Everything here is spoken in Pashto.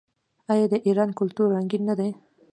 آیا د ایران کلتور رنګین نه دی؟